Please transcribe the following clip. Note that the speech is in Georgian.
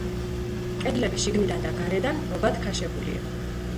კედლები შიგნიდან და გარედან მობათქაშებულია.